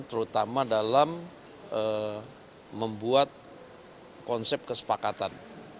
terutama dalam membuat konsep kesepakatan